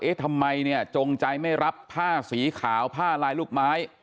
ทำไมเนี่ยจงใจไม่รับผ้าสีขาวผ้าลายลูกไม้